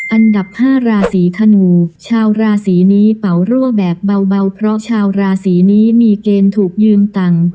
อันดับ๕ราศีธนูชาวราศีนี้เป่ารั่วแบบเบาเพราะชาวราศีนี้มีเกณฑ์ถูกยืมตังค์